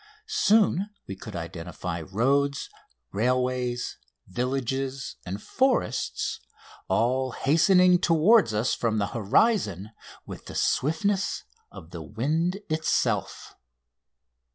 Soon we could identify roads, railways, villages, and forests, all hastening toward us from the horizon with the swiftness of the wind itself.